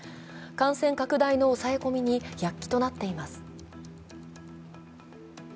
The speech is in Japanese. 感染拡大の抑え込みに躍起となっています。